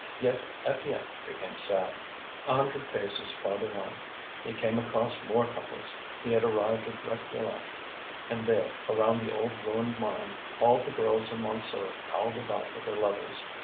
Yet Étienne became sad. A hundred paces farther on he came across more couples. He had arrived at Réquillart, and there, around the old ruined mine, all the girls of Montsou prowled about with their lovers.